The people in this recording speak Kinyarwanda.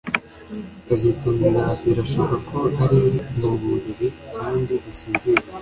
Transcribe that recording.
kazitunga birashoboka ko ari muburiri kandi asinziriye